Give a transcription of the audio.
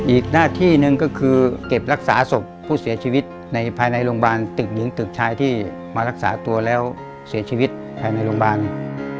อีกหน้าที่หนึ่งก็คือเก็บรักษาศพผู้เสียชีวิตในภายในโรงพยาบาลตึกหญิงตึกชายที่มารักษาตัวแล้วเสียชีวิตภายในโรงพยาบาล